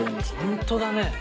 本当だね。